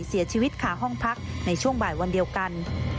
เสียชีวิตขาห้องพักในช่วงบ่ายวันเดียวกัน